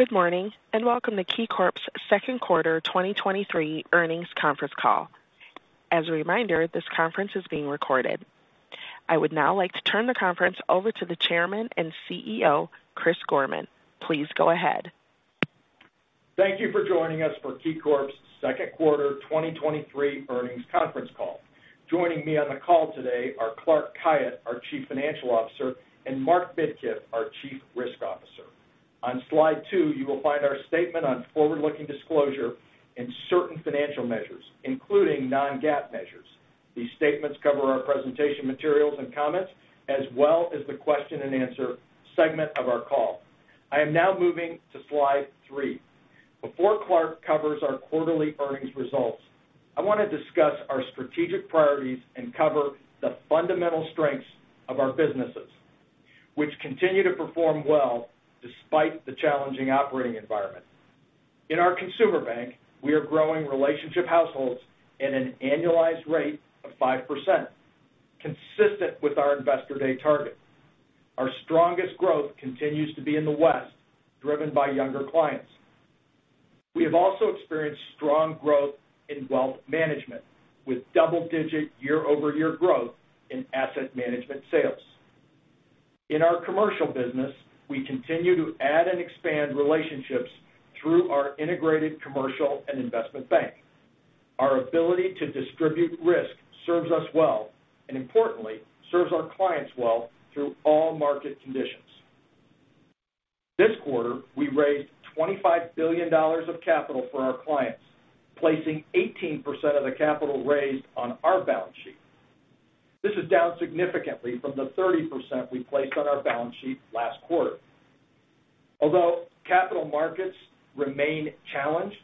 Good morning, and welcome to KeyCorp's second quarter 2023 earnings conference call. As a reminder, this conference is being recorded. I would now like to turn the conference over to the Chairman and CEO, Chris Gorman. Please go ahead. Thank you for joining us for KeyCorp's second quarter 2023 earnings conference call. Joining me on the call today are Clark Khayat, our Chief Financial Officer, and Mark Midkiff, our Chief Risk Officer. On slide two, you will find our statement on forward-looking disclosure in certain financial measures, including non-GAAP measures. These statements cover our presentation materials and comments, as well as the question and answer segment of our call. I am now moving to slide three. Before Clark covers our quarterly earnings results, I want to discuss our strategic priorities and cover the fundamental strengths of our businesses, which continue to perform well despite the challenging operating environment. In our consumer bank, we are growing relationship households at an annualized rate of 5%, consistent with our Investor Day target. Our strongest growth continues to be in the West, driven by younger clients. We have also experienced strong growth in wealth management, with double-digit year-over-year growth in asset management sales. In our commercial business, we continue to add and expand relationships through our integrated commercial and investment bank. Our ability to distribute risk serves us well, and importantly, serves our clients well through all market conditions. This quarter, we raised $25 billion of capital for our clients, placing 18% of the capital raised on our balance sheet. This is down significantly from the 30% we placed on our balance sheet last quarter. Capital markets remain challenged,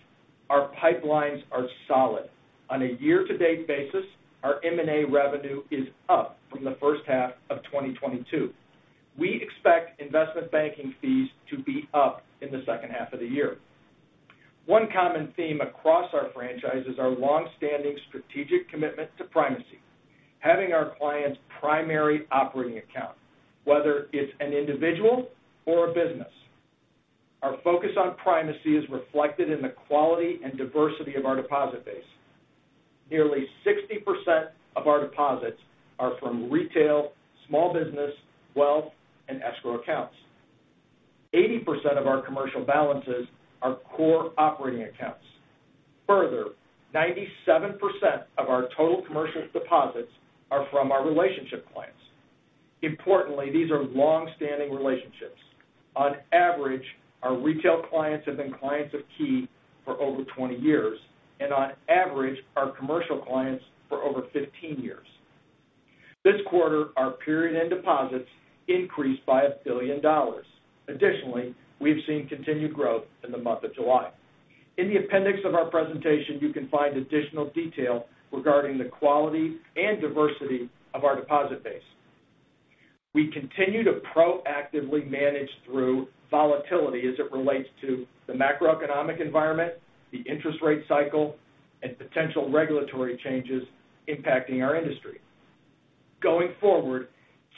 our pipelines are solid. On a year-to-date basis, our M&A revenue is up from the first half of 2022. We expect investment banking fees to be up in the H2 of the year. One common theme across our franchise is our long-standing strategic commitment to primacy, having our client's primary operating account, whether it's an individual or a business. Our focus on primacy is reflected in the quality and diversity of our deposit base. Nearly 60% of our deposits are from retail, small business, wealth, and escrow accounts. 80% of our commercial balances are core operating accounts. Further, 97% of our total commercial deposits are from our relationship clients. Importantly, these are long-standing relationships. On average, our retail clients have been clients of Key for over 20 years, and on average, our commercial clients for over 15 years. This quarter, our period-end deposits increased by $1 billion. Additionally, we've seen continued growth in the month of July. In the appendix of our presentation, you can find additional detail regarding the quality and diversity of our deposit base. We continue to proactively manage through volatility as it relates to the macroeconomic environment, the interest rate cycle, and potential regulatory changes impacting our industry. Going forward,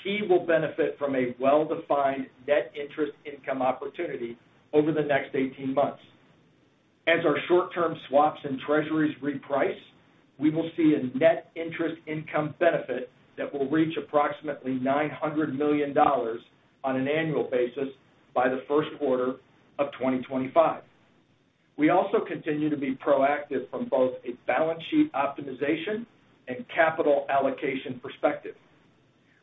Key will benefit from a well-defined net interest income opportunity over the next 18 months. As our short-term swaps and treasuries reprice, we will see a net interest income benefit that will reach approximately $900 million on an annual basis by the first quarter of 2025. We also continue to be proactive from both a balance sheet optimization and capital allocation perspective.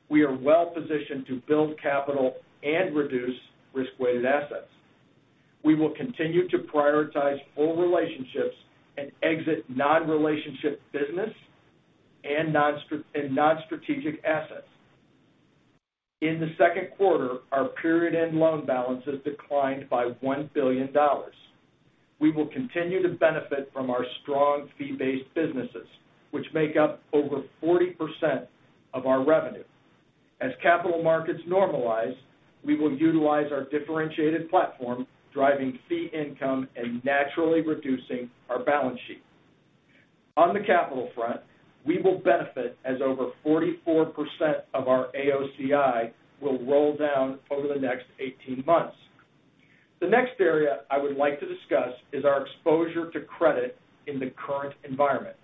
We are well positioned to build capital and reduce risk-weighted assets. We will continue to prioritize full relationships and exit non-relationship business and non-strategic assets. In the second quarter, our period-end loan balances declined by $1 billion. We will continue to benefit from our strong fee-based businesses, which make up over 40% of our revenue. As capital markets normalize, we will utilize our differentiated platform, driving fee income and naturally reducing our balance sheet. On the capital front, we will benefit as over 44% of our AOCI will roll down over the next 18 months. The next area I would like to discuss is our exposure to credit in the current environment.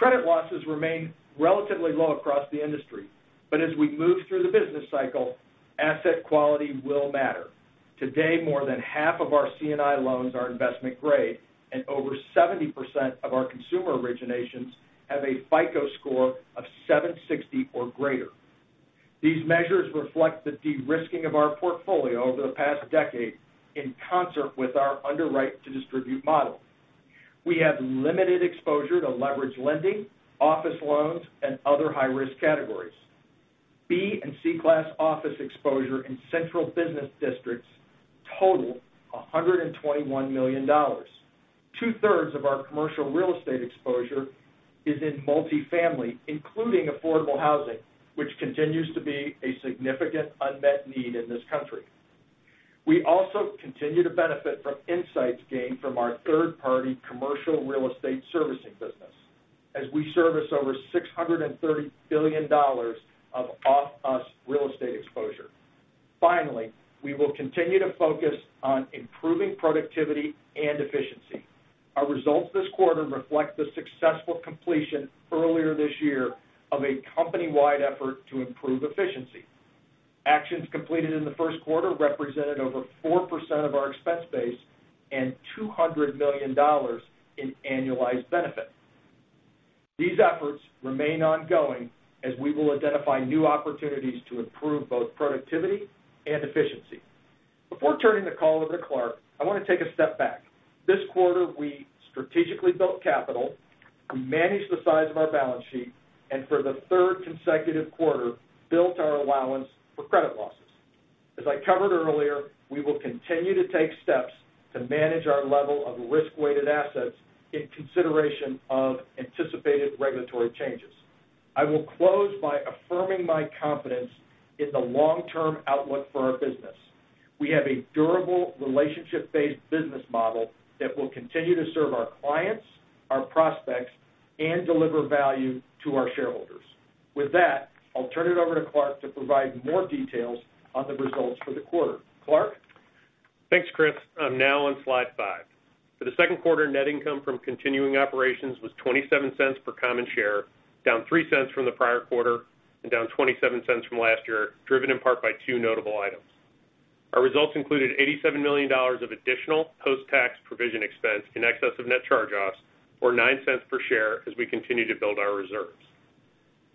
Credit losses remain relatively low across the industry, but as we move through the business cycle, asset quality will matter. Today, more than half of our C&I loans are investment grade, and over 70% of our consumer originations have a FICO score of 760 or greater. These measures reflect the de-risking of our portfolio over the past decade in concert with our underwrite to distribute model. We have limited exposure to leverage lending, office loans, and other high-risk categories. B and C class office exposure in central business districts total $121 million. Two-thirds of our commercial real estate exposure is in multifamily, including affordable housing, which continues to be a significant unmet need in this country. We also continue to benefit from insights gained from our third-party commercial real estate servicing business as we service over $630 billion of off-us real estate exposure. Finally, we will continue to focus on improving productivity and efficiency. Our results this quarter reflect the successful completion earlier this year of a company-wide effort to improve efficiency. Actions completed in the first quarter represented over 4% of our expense base and $200 million in annualized benefit. These efforts remain ongoing as we will identify new opportunities to improve both productivity and efficiency. Before turning the call over to Clark, I want to take a step back. This quarter, we strategically built capital, we managed the size of our balance sheet, and for the third consecutive quarter, built our allowance for credit losses. As I covered earlier, we will continue to take steps to manage our level of risk-weighted assets in consideration of anticipated regulatory changes. I will close by affirming my confidence in the long-term outlook for our business. We have a durable, relationship-based business model that will continue to serve our clients, our prospects, and deliver value to our shareholders. With that, I'll turn it over to Clark to provide more details on the results for the quarter. Clark? Thanks, Chris. I'm now on slide 5. For the second quarter, net income from continuing operations was $0.27 per common share, down $0.03 from the prior quarter and down $0.27 from last year, driven in part by 2 notable items. Our results included $87 million of additional post-tax provision expense in excess of net charge-offs, or $0.09 per share, as we continue to build our reserves.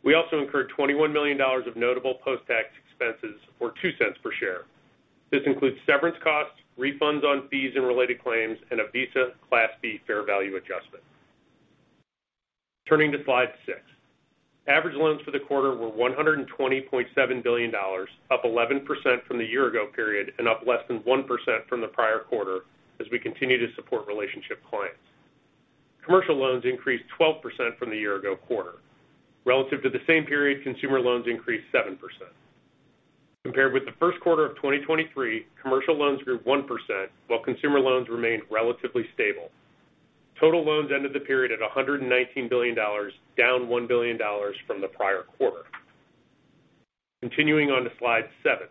We also incurred $21 million of notable post-tax expenses, or $0.02 per share. This includes severance costs, refunds on fees and related claims, and a Visa Class B fair value adjustment. Turning to slide 6. Average loans for the quarter were $120.7 billion, up 11% from the year-ago period and up less than 1% from the prior quarter as we continue to support relationship clients. Commercial loans increased 12% from the year ago quarter. Relative to the same period, consumer loans increased 7%. Compared with the first quarter of 2023, commercial loans grew 1%, while consumer loans remained relatively stable. Total loans ended the period at $119 billion, down $1 billion from the prior quarter. Continuing on to slide 7.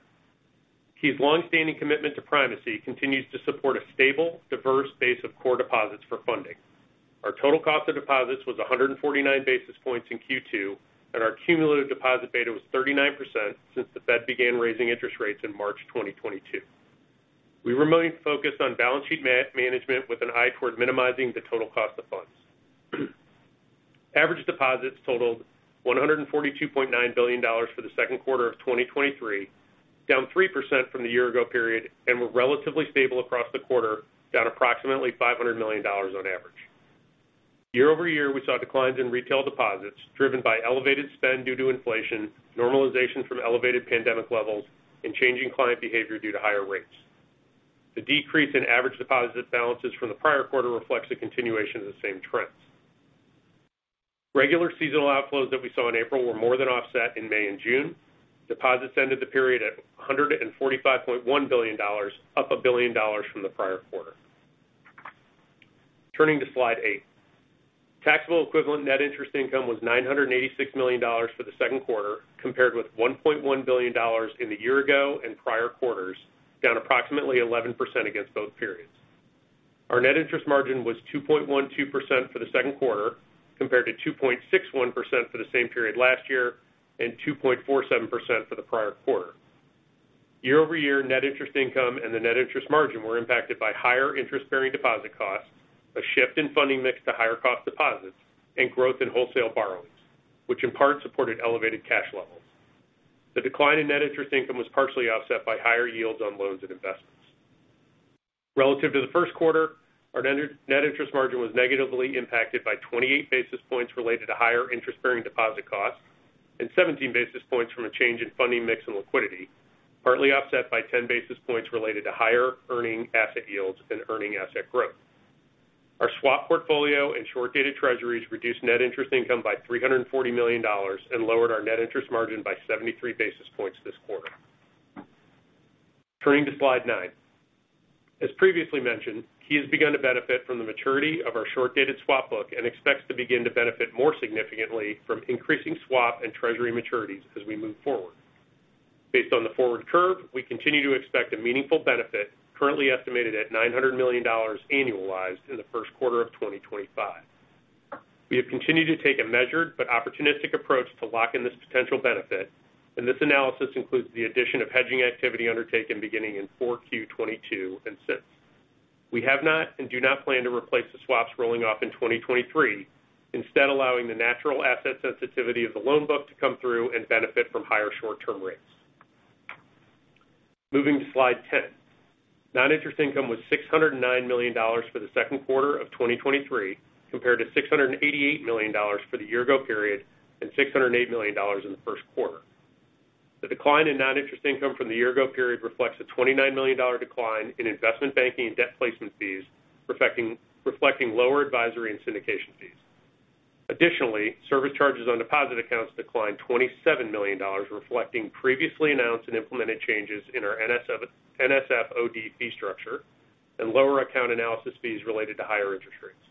Key's longstanding commitment to primacy continues to support a stable, diverse base of core deposits for funding. Our total cost of deposits was 149 basis points in Q2, and our cumulative deposit beta was 39% since the Fed began raising interest rates in March 2022. We remain focused on balance sheet management with an eye toward minimizing the total cost of funds. Average deposits totaled $142.9 billion for the second quarter of 2023, down 3% from the year-ago period, were relatively stable across the quarter, down approximately $500 million on average. Year-over-year, we saw declines in retail deposits driven by elevated spend due to inflation, normalization from elevated pandemic levels, and changing client behavior due to higher rates. The decrease in average deposit balances from the prior quarter reflects a continuation of the same trends. Regular seasonal outflows that we saw in April were more than offset in May and June. Deposits ended the period at $145.1 billion, up $1 billion from the prior quarter. Turning to slide 8. Taxable equivalent net interest income was $986 million for the second quarter, compared with $1.1 billion in the year ago and prior quarters, down approximately 11% against both periods. Our net interest margin was 2.12% for the second quarter, compared to 2.61% for the same period last year and 2.47% for the prior quarter. Year-over-year net interest income and the net interest margin were impacted by higher interest-bearing deposit costs, a shift in funding mix to higher cost deposits, and growth in wholesale borrowings, which in part supported elevated cash levels. The decline in net interest income was partially offset by higher yields on loans and investments. Relative to the first quarter, our net interest margin was negatively impacted by 28 basis points related to higher interest-bearing deposit costs and 17 basis points from a change in funding mix and liquidity, partly offset by 10 basis points related to higher earning asset yields and earning asset growth. Our swap portfolio and short-dated Treasuries reduced net interest income by $340 million and lowered our net interest margin by 73 basis points this quarter. Turning to slide nine. As previously mentioned, Key has begun to benefit from the maturity of our short-dated swap book and expects to begin to benefit more significantly from increasing swap and Treasury maturities as we move forward. Based on the forward curve, we continue to expect a meaningful benefit, currently estimated at $900 million annualized in the first quarter of 2025. We have continued to take a measured but opportunistic approach to lock in this potential benefit, this analysis includes the addition of hedging activity undertaken beginning in 4Q 2022 and since. We have not and do not plan to replace the swaps rolling off in 2023, instead allowing the natural asset sensitivity of the loan book to come through and benefit from higher short-term rates. Moving to slide 10. Non-interest income was $609 million for the second quarter of 2023, compared to $688 million for the year-ago period and $608 million in the first quarter. The decline in non-interest income from the year-ago period reflects a $29 million decline in investment banking and debt placement fees, reflecting lower advisory and syndication fees. Additionally, service charges on deposit accounts declined $27 million, reflecting previously announced and implemented changes in our NSF-OD fee structure. Lower account analysis fees related to higher interest rates.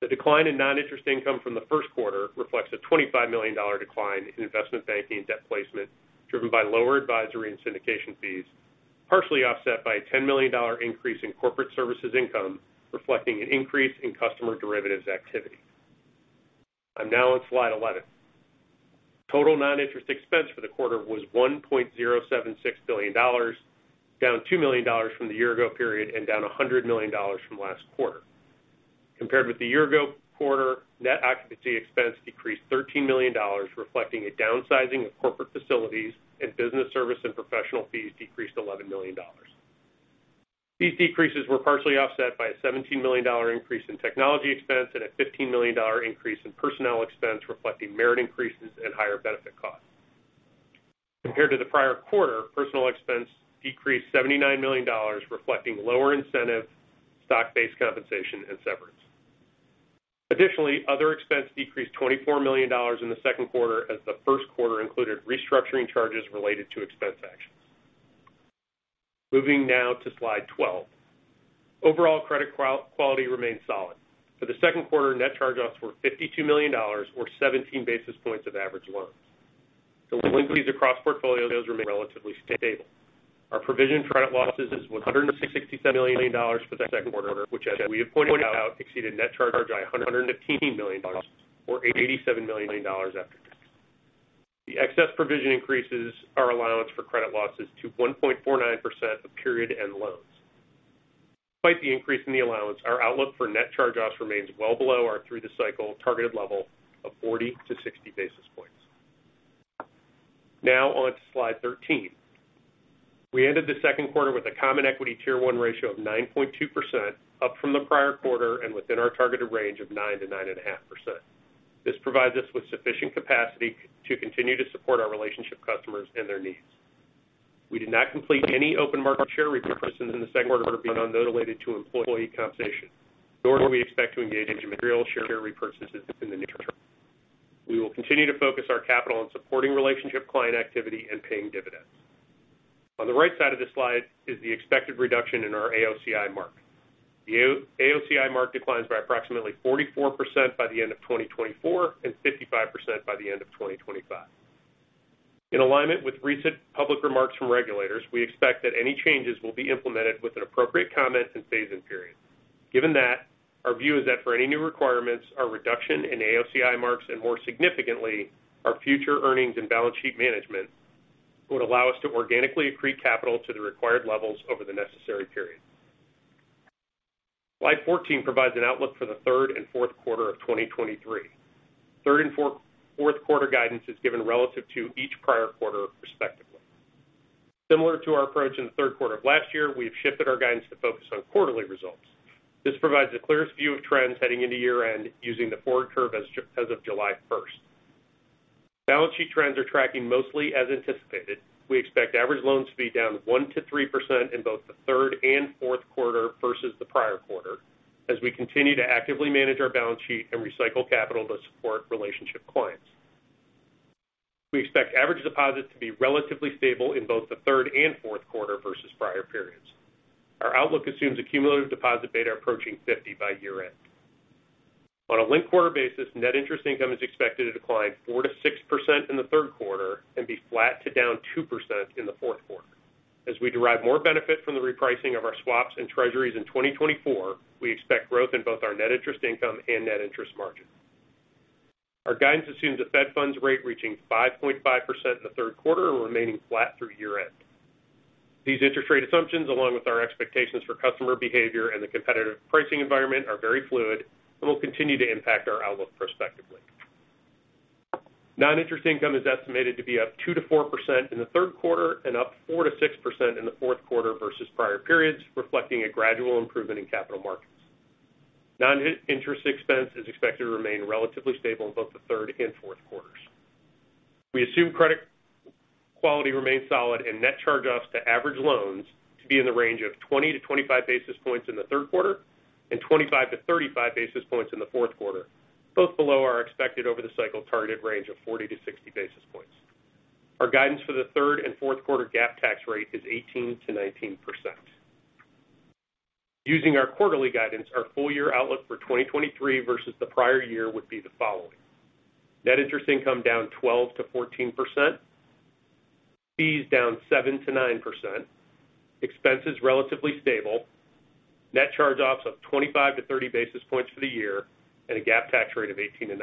The decline in non-interest income from the first quarter reflects a $25 million decline in investment banking and debt placement, driven by lower advisory and syndication fees, partially offset by a $10 million increase in corporate services income, reflecting an increase in customer derivatives activity. I'm now on slide 11. Total non-interest expense for the quarter was $1.076 billion, down $2 million from the year-ago period and down $100 million from last quarter. Compared with the year-ago quarter, net occupancy expense decreased $13 million, reflecting a downsizing of corporate facilities, and business service and professional fees decreased $11 million. These decreases were partially offset by a $17 million increase in technology expense and a $15 million increase in personnel expense, reflecting merit increases and higher benefit costs. Compared to the prior quarter, personnel expense decreased $79 million, reflecting lower incentive, stock-based compensation, and severance. Other expense decreased $24 million in the second quarter, as the first quarter included restructuring charges related to expense actions. Moving now to slide 12. Overall credit quality remains solid. For the second quarter, net charge-offs were $52 million, or 17 basis points of average loans. The delinquencies across portfolio sales remain relatively stable. Our provision credit losses was $167 million for the second quarter, which, as we have pointed out, exceeded net charge-offs by $115 million, or $87 million after tax. The excess provision increases our allowance for credit losses to 1.49% of period end loans. Despite the increase in the allowance, our outlook for net charge-offs remains well below our through the cycle targeted level of 40 to 60 basis points. Now on to slide 13. We ended the second quarter with a Common Equity Tier 1 ratio of 9.2%, up from the prior quarter and within our targeted range of 9% to 9.5%. This provides us with sufficient capacity to continue to support our relationship customers and their needs. We did not complete any open market share repurchases in the second quarter beyond those related to employee compensation, nor do we expect to engage in material share repurchases in the near term. We will continue to focus our capital on supporting relationship client activity and paying dividends. On the right side of this slide is the expected reduction in our AOCI mark. The AOCI mark declines by approximately 44% by the end of 2024, and 55% by the end of 2025. In alignment with recent public remarks from regulators, we expect that any changes will be implemented with an appropriate comment and phase-in period. Given that, our view is that for any new requirements, our reduction in AOCI marks, and more significantly, our future earnings and balance sheet management, would allow us to organically accrete capital to the required levels over the necessary period. Slide 14 provides an outlook for the third and fourth quarter of 2023. Third and fourth quarter guidance is given relative to each prior quarter respectively. Similar to our approach in the third quarter of last year, we have shifted our guidance to focus on quarterly results. This provides the clearest view of trends heading into year-end, using the forward curve as of July 1st. Balance sheet trends are tracking mostly as anticipated. We expect average loans to be down 1%-3% in both the third and fourth quarter versus the prior quarter, as we continue to actively manage our balance sheet and recycle capital to support relationship clients. We expect average deposits to be relatively stable in both the third and fourth quarter versus prior periods. Our outlook assumes a cumulative deposit beta approaching 50 by year-end. On a linked quarter basis, net interest income is expected to decline 4%-6% in the third quarter and be flat to down 2% in the fourth quarter. As we derive more benefit from the repricing of our swaps and treasuries in 2024, we expect growth in both our net interest income and net interest margin. Our guidance assumes a fed funds rate reaching 5.5% in the third quarter and remaining flat through year-end. These interest rate assumptions, along with our expectations for customer behavior and the competitive pricing environment, are very fluid and will continue to impact our outlook prospectively. Non-interest income is estimated to be up 2%-4% in the third quarter and up 4%-6% in the fourth quarter versus prior periods, reflecting a gradual improvement in capital markets. Non-interest expense is expected to remain relatively stable in both the third and fourth quarters. We assume credit quality remains solid and net charge-offs to average loans to be in the range of 20-25 basis points in the 3rd quarter and 25-35 basis points in the 4th quarter, both below our expected over the cycle targeted range of 40-60 basis points. Our guidance for the 3rd and 4th quarter GAAP tax rate is 18%-19%. Using our quarterly guidance, our full year outlook for 2023 versus the prior year would be the following: Net interest income down 12%-14%, fees down 7%-9%, expenses relatively stable, net charge-offs of 25-30 basis points for the year, and a GAAP tax rate of 18%-19%.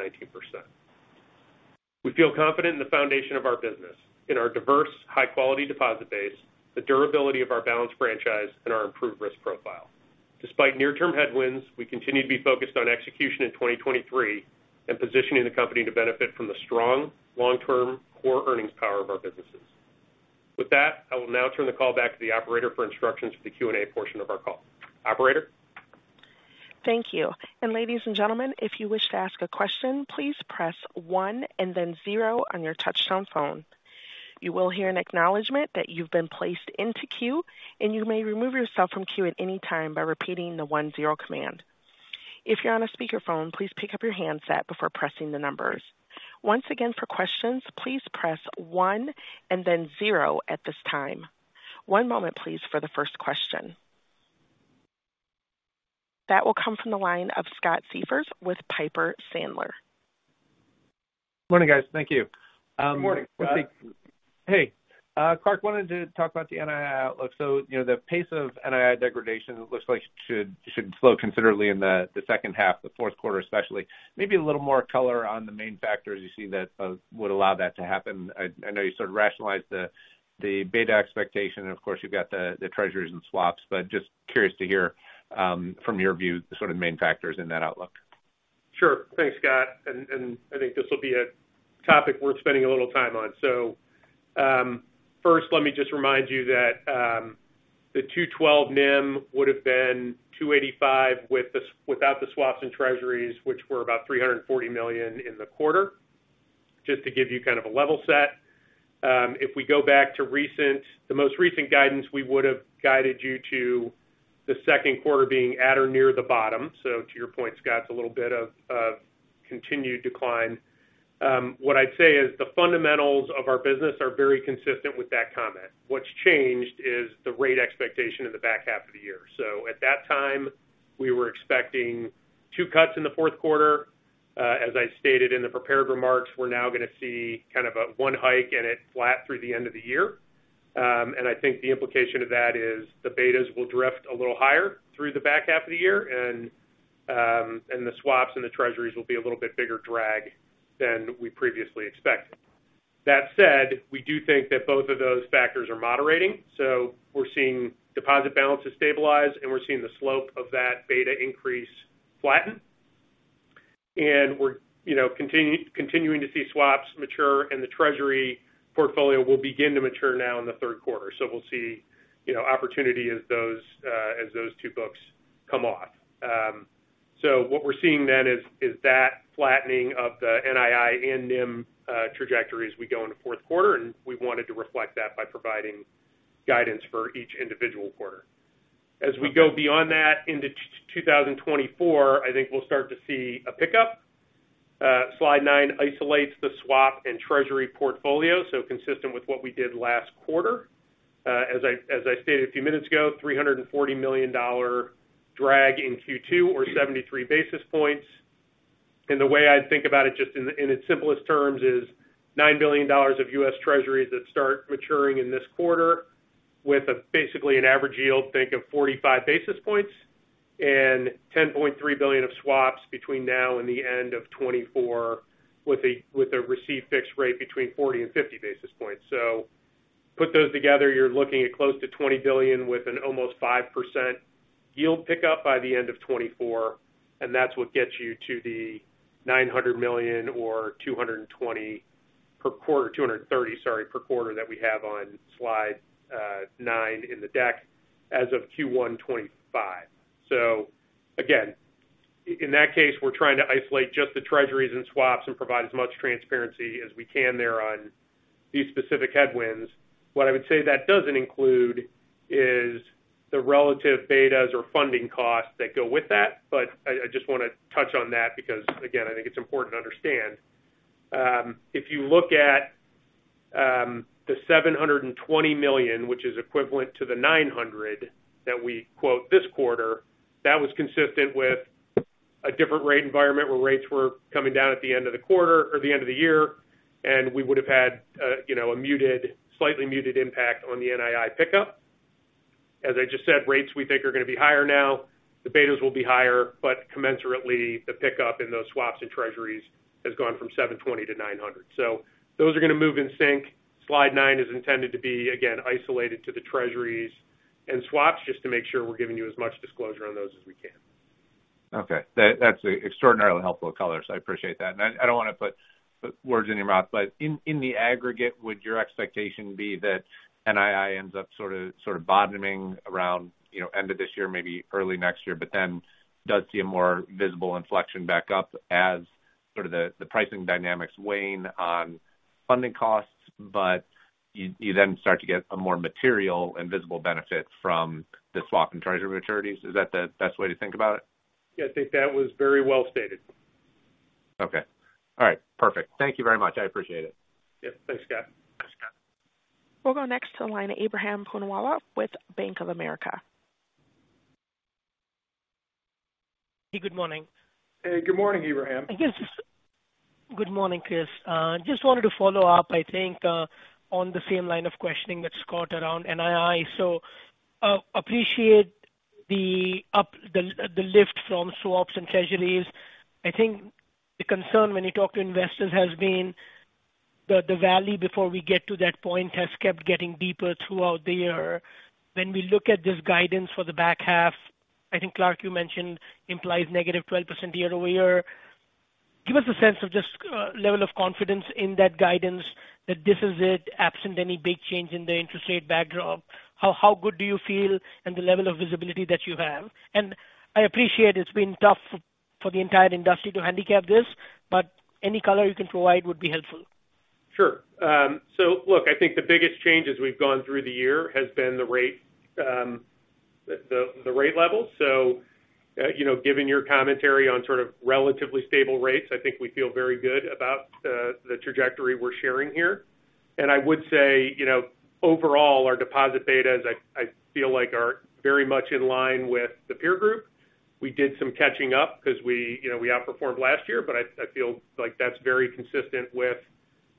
We feel confident in the foundation of our business, in our diverse, high-quality deposit base, the durability of our balanced franchise, and our improved risk profile. Despite near-term headwinds, we continue to be focused on execution in 2023 and positioning the company to benefit from the strong long-term core earnings power of our businesses. With that, I will now turn the call back to the operator for instructions for the Q&A portion of our call. Operator? Thank you. Ladies and gentlemen, if you wish to ask a question, please press 1 and then 0 on your touchtone phone. You will hear an acknowledgment that you've been placed into queue, and you may remove yourself from queue at any time by repeating the 1-0 command. If you're on a speakerphone, please pick up your handset before pressing the numbers. Once again, for questions, please press 1 and then 0 at this time. 1 moment, please, for the first question. That will come from the line of Scott Siefers with Piper Sandler. Morning, guys. Thank you. Good morning. Hey, Clark, wanted to talk about the NII outlook. You know, the pace of NII degradation looks like should slow considerably in the second half, the fourth quarter, especially. Maybe a little more color on the main factors you see that would allow that to happen. I know you sort of rationalized the beta expectation, and of course, you've got the Treasuries and swaps, but just curious to hear from your view, the sort of main factors in that outlook. Sure. Thanks, Scott. I think this will be a topic worth spending a little time on. First, let me just remind you that the 212 NIM would have been 285 without the swaps and Treasuries, which were about $340 million in the quarter. Just to give you kind of a level set. If we go back to the most recent guidance, we would have guided you to the second quarter being at or near the bottom. To your point, Scott, it's a little bit of continued decline. What I'd say is the fundamentals of our business are very consistent with that comment. What's changed is the rate expectation in the back half of the year. At that time, we were expecting 2 cuts in the fourth quarter. As I stated in the prepared remarks, we're now going to see kind of a one hike and it flat through the end of the year. I think the implication of that is the betas will drift a little higher through the back half of the year and the swaps and the Treasuries will be a little bit bigger drag than we previously expected. That said, we do think that both of those factors are moderating, so we're seeing deposit balances stabilize, and we're seeing the slope of that beta increase flatten. We're, you know, continuing to see swaps mature, and the Treasury portfolio will begin to mature now in the third quarter. We'll see, you know, opportunity as those as those two books come off. What we're seeing then is that flattening of the NII and NIM trajectory as we go into fourth quarter, and we wanted to reflect that by providing guidance for each individual quarter. As we go beyond that into 2024, I think we'll start to see a pickup. Slide nine isolates the swap and Treasury portfolio, so consistent with what we did last quarter. As I stated a few minutes ago, a $340 million drag in Q2 or 73 basis points. The way I think about it, just in its simplest terms, is $9 billion of U.S. Treasuries that start maturing in this quarter with a basically an average yield think of 45 basis points and $10.3 billion of swaps between now and the end of 2024, with a received fixed rate between 40 and 50 basis points. Put those together, you're looking at close to $20 billion with an almost 5% yield pickup by the end of 2024, and that's what gets you to the $900 million or $220 per quarter, $230, sorry, per quarter, that we have on slide 9 in the deck as of Q1 2025. Again, in that case, we're trying to isolate just the U.S. Treasuries and swaps and provide as much transparency as we can there on these specific headwinds. What I would say that doesn't include is the relative betas or funding costs that go with that. I just want to touch on that because, again, I think it's important to understand. If you look at the $720 million, which is equivalent to the $900 million that we quote this quarter, that was consistent with a different rate environment, where rates were coming down at the end of the quarter or the end of the year, and we would have had, you know, a muted, slightly muted impact on the NII pickup. As I just said, rates we think are going to be higher now. The betas will be higher, commensurately, the pickup in those swaps and U.S. Treasuries has gone from $720 million to $900 million. Those are going to move in sync. Slide nine is intended to be, again, isolated to the Treasuries and swaps, just to make sure we're giving you as much disclosure on those as we can. Okay. That's an extraordinarily helpful color, so I appreciate that. I don't want to put words in your mouth, in the aggregate, would your expectation be that NII ends up sort of bottoming around, you know, end of this year, maybe early next year, then does see a more visible inflection back up as sort of the pricing dynamics wane on funding costs, you then start to get a more material and visible benefit from the swap and Treasury maturities? Is that the best way to think about it? Yeah, I think that was very well stated. Okay. All right, perfect. Thank you very much. I appreciate it. Yeah. Thanks, Scott. We'll go next to the line of Ebrahim Poonawala with Bank of America. Hey, good morning. Hey, good morning, Ebrahim. I guess, good morning, Chris. Just wanted to follow up, I think, on the same line of questioning that Scott around NII. Appreciate the lift from swaps and Treasuries. I think the concern when you talk to investors has been the value before we get to that point has kept getting deeper throughout the year. When we look at this guidance for the back half, I think, Clark, you mentioned implies -12% year-over-year. Give us a sense of just, level of confidence in that guidance that this is it, absent any big change in the interest rate backdrop. How, how good do you feel and the level of visibility that you have? I appreciate it's been tough for the entire industry to handicap this, but any color you can provide would be helpful. Sure. Look, I think the biggest changes we've gone through the year has been the rate, the rate level. You know, given your commentary on sort of relatively stable rates, I think we feel very good about the trajectory we're sharing here. I would say, you know, overall, our deposit betas, I feel like are very much in line with the peer group. We did some catching up because we, you know, we outperformed last year, but I feel like that's very consistent with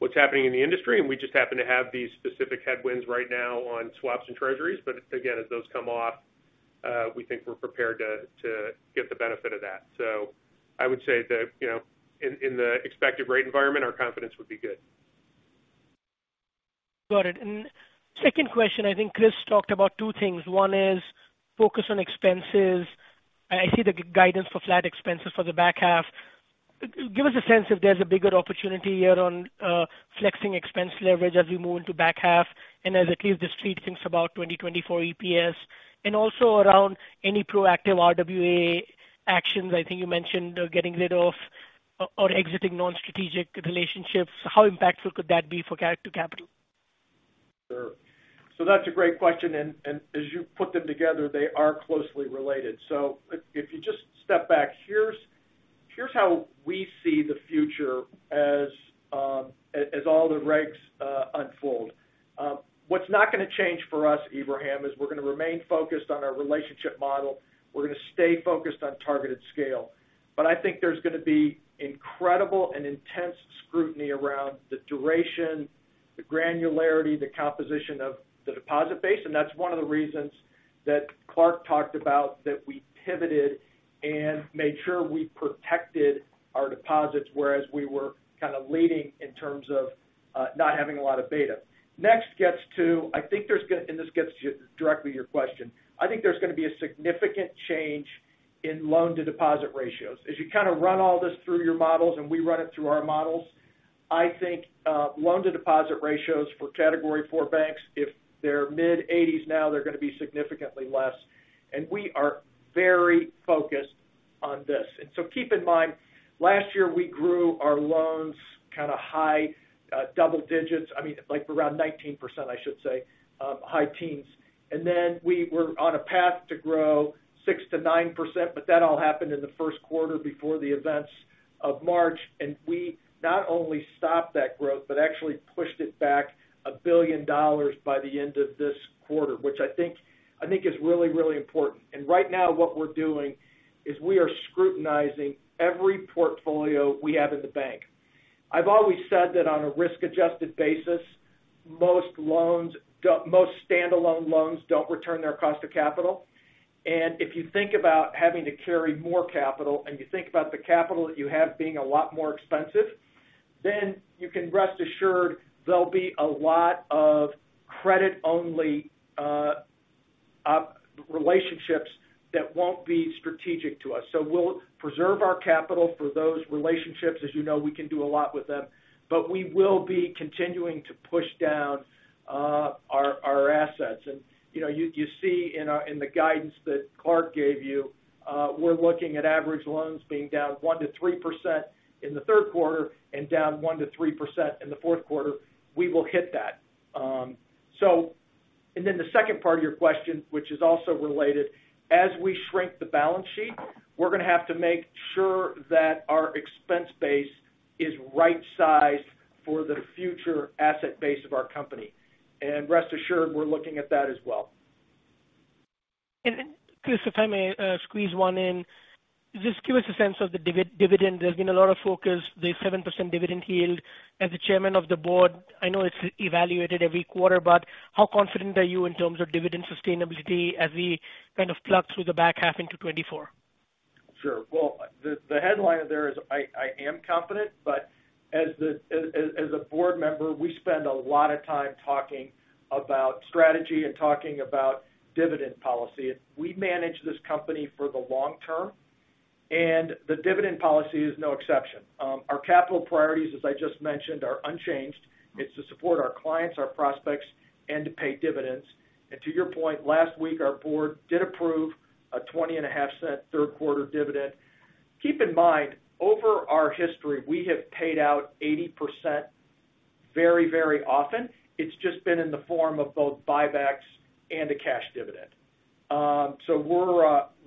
what's happening in the industry, and we just happen to have these specific headwinds right now on swaps and treasuries. Again, as those come off, we think we're prepared to get the benefit of that. I would say that, you know, in the expected rate environment, our confidence would be good. Got it. Second question, I think Chris talked about two things. One is focus on expenses. I see the guidance for flat expenses for the back half. Give us a sense if there's a bigger opportunity here on flexing expense leverage as we move into back half and as at least the street thinks about 2024 EPS, and also around any proactive RWA actions. I think you mentioned getting rid of or exiting non-strategic relationships. How impactful could that be for character capital? Sure. That's a great question, and as you put them together, they are closely related. If you just step back, here's how we see the future as all the regs unfold. What's not going to change for us, Abraham, is we're going to remain focused on our relationship model. We're going to stay focused on targeted scale. I think there's going to be incredible and intense scrutiny around the duration, the granularity, the composition of the deposit base, and that's one of the reasons that Clark talked about that we pivoted and made sure we protected our deposits, whereas we were kind of leading in terms of not having a lot of beta. Next gets to, I think this gets to directly your question. I think there's going to be a significant change in loan to deposit ratios. As you kind of run all this through your models, and we run it through our models, I think, loan to deposit ratios for Category IV banks, if they're mid-80s now, they're going to be significantly less, and we are very focused on this. Keep in mind, last year, we grew our loans kind of high, double digits. I mean, like around 19%, I should say, high teens. We were on a path to grow 6%-9%, but that all happened in the first quarter before the events of March. We not only stopped that growth, but actually pushed it back $1 billion by the end of this quarter, which I think is really, really important. Right now, what we're doing is we are scrutinizing every portfolio we have in the bank. I've always said that on a risk-adjusted basis, most standalone loans don't return their cost to capital. If you think about having to carry more capital, and you think about the capital that you have being a lot more expensive, then you can rest assured there'll be a lot of credit-only relationships that won't be strategic to us. We'll preserve our capital for those relationships. As you know, we can do a lot with them, but we will be continuing to push down our assets. You know, you see in the guidance that Clark gave you, we're looking at average loans being down 1% to 3% in the third quarter and down 1% to 3% in the fourth quarter. We will hit that. The second part of your question, which is also related, as we shrink the balance sheet, we're going to have to make sure that our expense base is right-sized for the future asset base of our company. Rest assured, we're looking at that as well. Chris, if I may, squeeze one in. Just give us a sense of the dividend. There's been a lot of focus, the 7% dividend yield. As the chairman of the board, I know it's evaluated every quarter, but how confident are you in terms of dividend sustainability as we kind of plug through the back half into 2024? Sure. Well, the headline there is I am confident, as a board member, we spend a lot of time talking about strategy and talking about dividend policy. We manage this company for the long term, the dividend policy is no exception. Our capital priorities, as I just mentioned, are unchanged. It's to support our clients, our prospects, and to pay dividends. To your point, last week, our board did approve a twenty-and-a-half cent third quarter dividend. Keep in mind, over our history, we have paid out 80% very often. It's just been in the form of both buybacks and a cash dividend.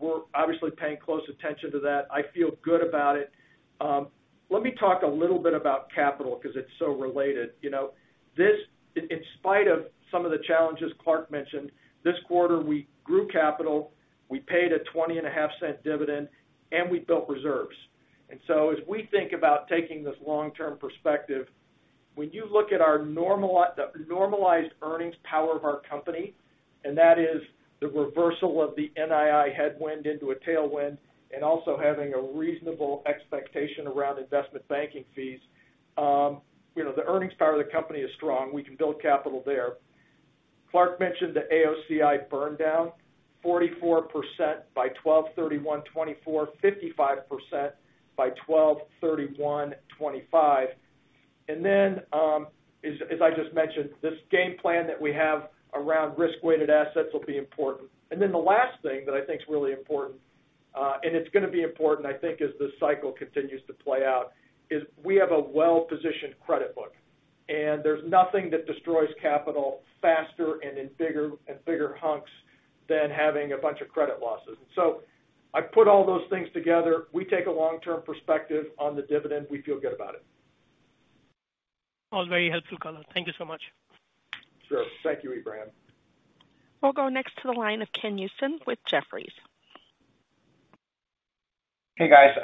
We're obviously paying close attention to that. I feel good about it. Let me talk a little bit about capital because it's so related. You know, in spite of some of the challenges Clark mentioned, this quarter, we grew capital, we paid a $0.205 dividend, we built reserves. As we think about taking this long-term perspective, when you look at our normalized, the normalized earnings power of our company, and that is the reversal of the NII headwind into a tailwind, and also having a reasonable expectation around investment banking fees, you know, the earnings power of the company is strong. We can build capital there. Clark mentioned the AOCI burn down 44% by 12/31/2024, 55% by 12/31/2025. As I just mentioned, this game plan that we have around risk-weighted assets will be important. The last thing that I think is really important... It's gonna be important, I think, as this cycle continues to play out, is we have a well-positioned credit book, and there's nothing that destroys capital faster and in bigger and bigger hunks than having a bunch of credit losses. I put all those things together. We take a long-term perspective on the dividend. We feel good about it. All very helpful, Cullen. Thank you so much. Sure. Thank you, Ibrahim. We'll go next to the line of Ken Usdin with Jefferies. Hey, guys.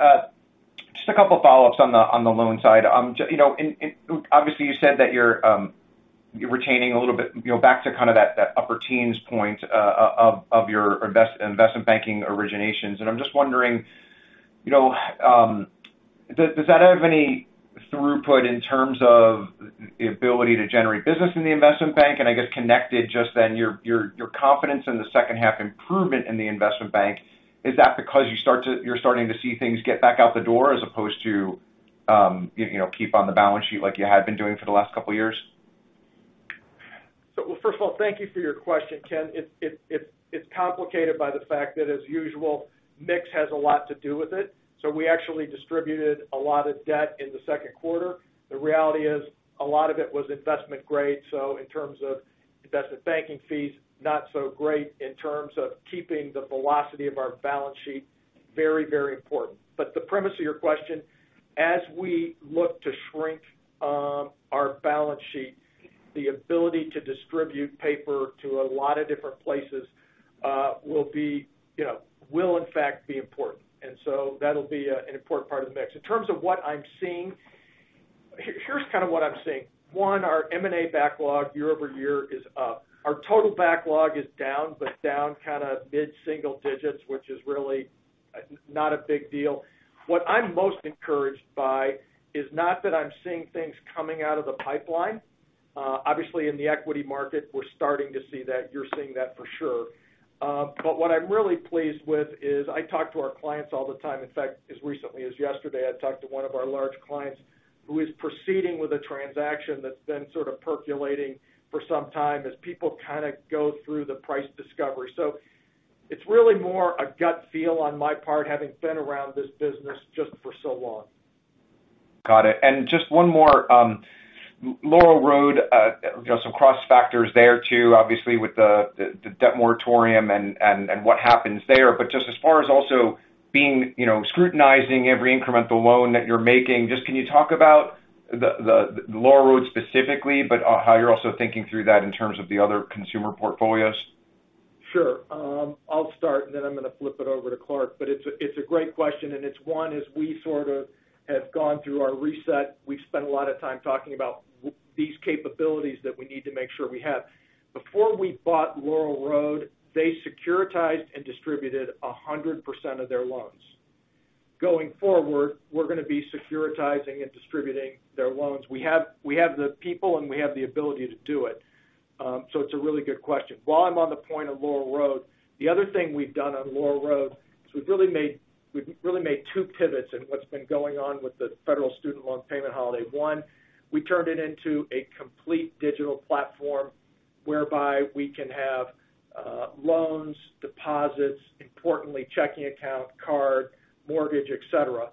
just a couple follow-ups on the loan side. you know, and obviously, you said that you're retaining a little bit, you know, back to kind of that upper teens point of your investment banking originations. I'm just wondering, you know, does that have any throughput in terms of the ability to generate business in the investment bank? I guess, connected just then, your confidence in the second half improvement in the investment bank, is that because you're starting to see things get back out the door as opposed to, you know, keep on the balance sheet like you had been doing for the last couple of years? First of all, thank you for your question, Ken. It's complicated by the fact that, as usual, mix has a lot to do with it. We actually distributed a lot of debt in the second quarter. The reality is, a lot of it was investment grade. In terms of investment banking fees, not so great. In terms of keeping the velocity of our balance sheet, very, very important. The premise of your question, as we look to shrink our balance sheet, the ability to distribute paper to a lot of different places, will be, you know, will in fact be important. That'll be an important part of the mix. In terms of what I'm seeing, here's kind of what I'm seeing. One, our M&A backlog year-over-year is up. Our total backlog is down kind of mid-single digits, which is really not a big deal. What I'm most encouraged by is not that I'm seeing things coming out of the pipeline. Obviously, in the equity market, we're starting to see that. You're seeing that for sure. But what I'm really pleased with is I talk to our clients all the time. In fact, as recently as yesterday, I talked to one of our large clients who is proceeding with a transaction that's been sort of percolating for some time as people kind of go through the price discovery. It's really more a gut feel on my part, having been around this business just for so long. Got it. Just one more, Laurel Road, you know, some cross factors there, too, obviously, with the debt moratorium and what happens there. Just as far as also being, you know, scrutinizing every incremental loan that you're making, just can you talk about the Laurel Road specifically, but how you're also thinking through that in terms of the other consumer portfolios? Sure. I'll start, then I'm going to flip it over to Clark. It's a, it's a great question, and it's one, as we sort of have gone through our reset, we've spent a lot of time talking about these capabilities that we need to make sure we have. Before we bought Laurel Road, they securitized and distributed 100% of their loans. Going forward, we're going to be securitizing and distributing their loans. We have the people, and we have the ability to do it. It's a really good question. While I'm on the point of Laurel Road, the other thing we've done on Laurel Road is we've really made two pivots in what's been going on with the federal student loan payment holiday. One, we turned it into a complete digital platform whereby we can have, loans, deposits, importantly, checking account, card, mortgage, et cetera.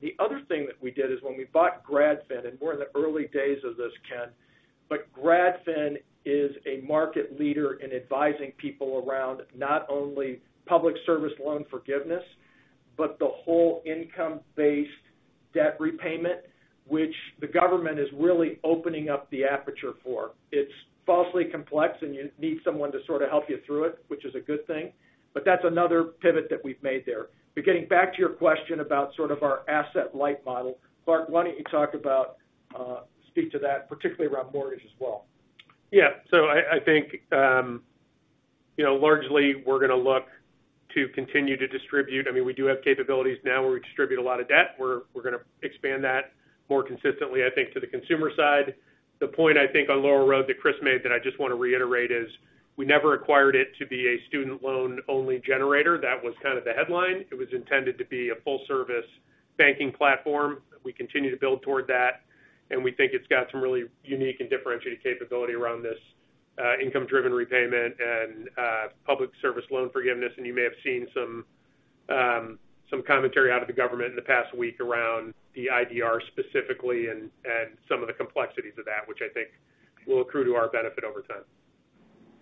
The other thing that we did is when we bought GradFin, and we're in the early days of this, Ken, but GradFin is a market leader in advising people around not only Public Service Loan Forgiveness, but the whole income-based debt repayment, which the government is really opening up the aperture for. It's falsely complex, and you need someone to sort of help you through it, which is a good thing, but that's another pivot that we've made there. Getting back to your question about sort of our asset-light model, Clark, why don't you talk about, speak to that, particularly around mortgage as well? I think, you know, largely, we're going to look to continue to distribute. I mean, we do have capabilities now where we distribute a lot of debt. We're going to expand that more consistently, I think, to the consumer side. The point, I think, on Laurel Road that Chris made, that I just want to reiterate, is we never acquired it to be a student loan-only generator. That was kind of the headline. It was intended to be a full-service banking platform. We continue to build toward that, and we think it's got some really unique and differentiated capability around this income-driven repayment and Public Service Loan Forgiveness. You may have seen some commentary out of the government in the past week around the IDR specifically and some of the complexities of that, which I think will accrue to our benefit over time.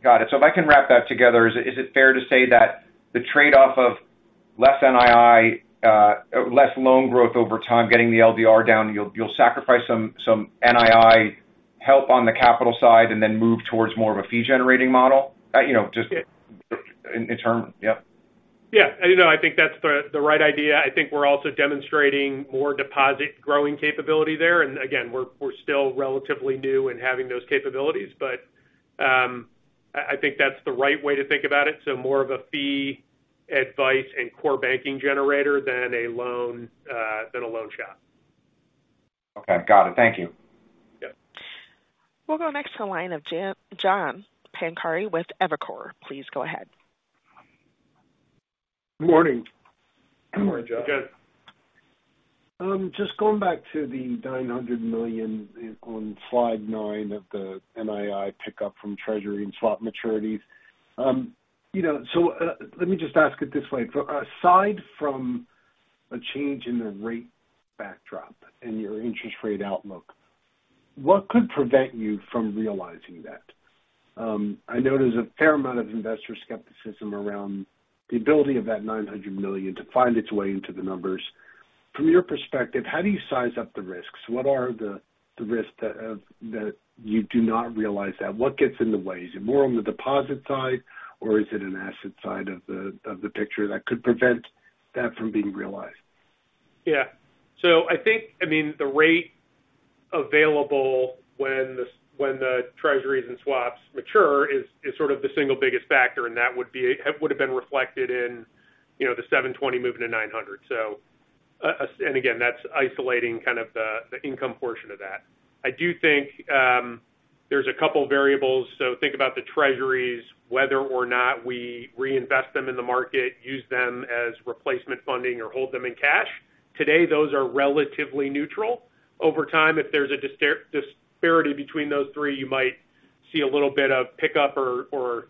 Got it. If I can wrap that together, is it fair to say that the trade-off of less NII, less loan growth over time, getting the LDR down, you'll sacrifice some NII help on the capital side and then move towards more of a fee-generating model? you know, Yeah in term. Yep. You know, I think that's the right idea. I think we're also demonstrating more deposit growing capability there. Again, we're still relatively new in having those capabilities, but I think that's the right way to think about it. More of a fee, advice, and core banking generator than a loan than a loan shop. Okay, got it. Thank you. Yep. We'll go next to the line of John Pancari with Evercore. Please go ahead. Morning. Good morning, John. Just going back to the $900 million on slide 9 of the NII pickup from treasury and swap maturities. You know, let me just ask it this way: aside from a change in the rate backdrop and your interest rate outlook, what could prevent you from realizing that? I know there's a fair amount of investor skepticism around the ability of that $900 million to find its way into the numbers. From your perspective, how do you size up the risks? What are the risks that you do not realize that? What gets in the way? Is it more on the deposit side, or is it an asset side of the picture that could prevent that from being realized? Yeah. I think, I mean, the rate available when the treasuries and swaps mature is sort of the single biggest factor, and that would be, it would have been reflected in, you know, the 720 moving to 900. And again, that's isolating kind of the income portion of that. I do think there's a couple variables, so think about the treasuries, whether or not we reinvest them in the market, use them as replacement funding, or hold them in cash. Today, those are relatively neutral. Over time, if there's a disparity between those 3, you might see a little bit of pickup or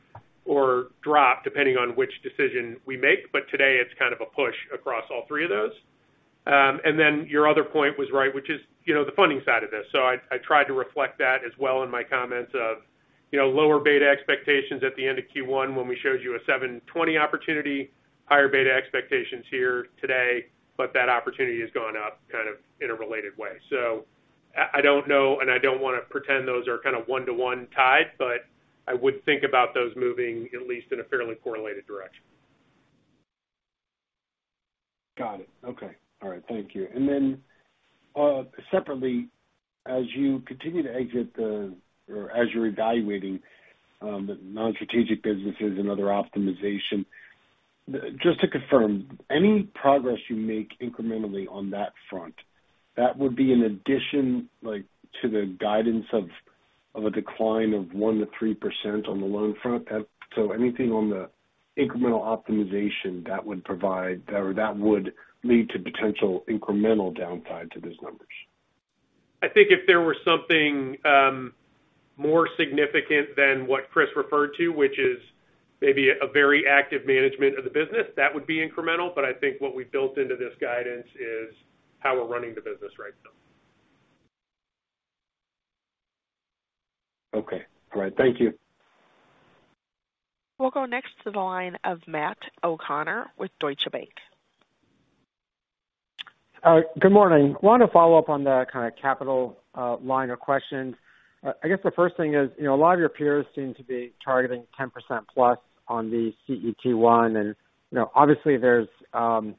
drop, depending on which decision we make. Today, it's kind of a push across all 3 of those. Your other point was right, which is, you know, the funding side of this. I tried to reflect that as well in my comments of, you know, lower beta expectations at the end of Q1 when we showed you a 720 opportunity, higher beta expectations here today, but that opportunity has gone up kind of in a related way. I don't know, and I don't want to pretend those are kind of one-to-one tied, but I would think about those moving at least in a fairly correlated direction. Got it. Okay. All right. Thank you. Then, separately, as you continue to exit or as you're evaluating the non-strategic businesses and other optimization, just to confirm, any progress you make incrementally on that front, that would be in addition, like, to the guidance of a decline of 1%-3% on the loan front? Anything on the incremental optimization that would provide, or that would lead to potential incremental downside to these numbers. I think if there were something, more significant than what Chris referred to, which is maybe a very active management of the business, that would be incremental. I think what we've built into this guidance is how we're running the business right now. Okay. All right. Thank you. We'll go next to the line of Matt O'Connor with Deutsche Bank. Good morning. I want to follow up on the kind of capital line of questions. I guess the first thing is, you know, a lot of your peers seem to be targeting 10%+ on the CET1, and you know, obviously, there's, there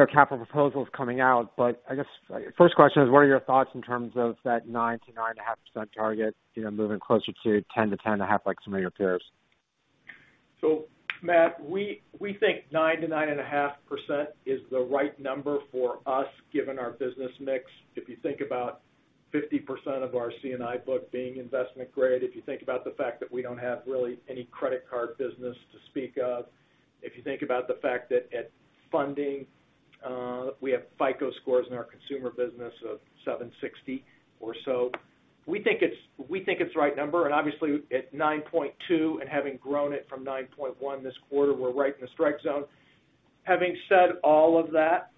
are capital proposals coming out. I guess, first question is, what are your thoughts in terms of that 9%-9.5% target, you know, moving closer to 10%-10.5%, like some of your peers? Matt, we think 9%-9.5% is the right number for us, given our business mix. If you think about 50% of our C&I book being investment grade, if you think about the fact that we don't have really any credit card business to speak of, if you think about the fact that at funding, we have FICO scores in our consumer business of 760 or so. We think it's the right number, and obviously, at 9.2 and having grown it from 9.1 this quarter, we're right in the strike zone. Having said all of that,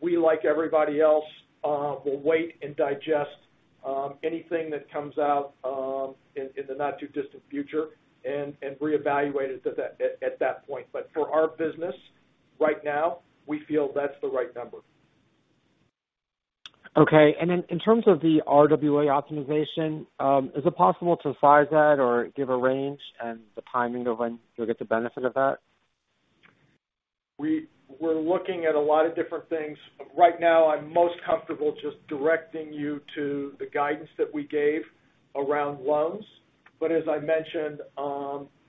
we, like everybody else, will wait and digest anything that comes out in the not too distant future and reevaluate it at that point. For our business, right now, we feel that's the right number. Okay. Then in terms of the RWA optimization, is it possible to size that or give a range and the timing of when you'll get the benefit of that? We're looking at a lot of different things. Right now, I'm most comfortable just directing you to the guidance that we gave around loans. As I mentioned,